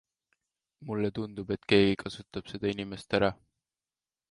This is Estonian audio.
Mulle tundub, et keegi kasutab seda inimest ära.